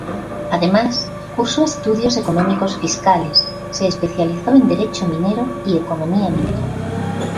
Además, cursó estudios económicos fiscales, se especializó en derecho minero y economía minera.